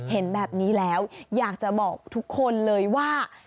เห็นแบบนี้แล้วอยากจะบอกทุกคนเลยว่า